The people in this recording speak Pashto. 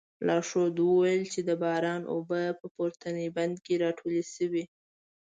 لارښود وویل چې د باران اوبه په پورتني بند کې راټولې شوې.